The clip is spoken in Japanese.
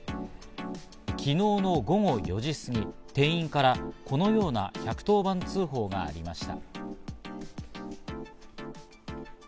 昨日の午後４時すぎ、店員からこのような１１０番通報がありました。